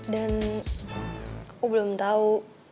dan aku belum tahu